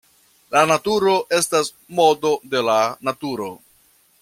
La naturo estas modo de la Naturo.